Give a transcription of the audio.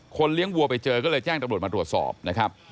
เลี้ยงวัวไปเจอก็เลยแจ้งตำรวจมาตรวจสอบนะครับ